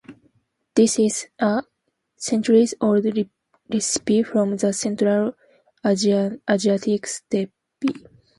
This is a centuries-old recipe from the Central Asiatic Steppe.